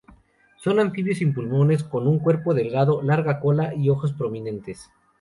Son anfibios sin pulmones con un cuerpo delgado, larga cola y ojos prominentes.